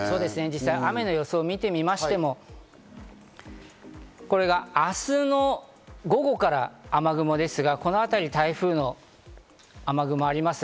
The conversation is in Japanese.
実際、雨の予想を見ましても、これが明日の午後からの雨雲ですが、この辺り、台風の雨雲があります。